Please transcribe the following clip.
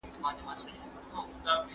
مکتب د ښوونکي له خوا خلاصیږي؟!